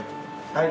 はい。